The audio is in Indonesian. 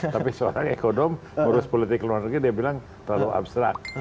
tapi seorang ekonom ngurus politik luar negeri dia bilang terlalu abstrak